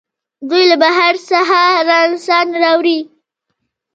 دوی له بهر څخه نرسان راوړي.